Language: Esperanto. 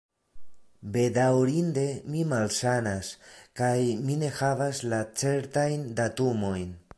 Bedaŭrinde mi malsanas, kaj mi ne havas la certajn datumojn.